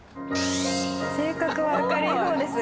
「性格は明るいほうですが」